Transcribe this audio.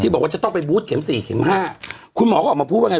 บอกว่าจะต้องไปบูธเข็มสี่เข็มห้าคุณหมอก็ออกมาพูดว่าไง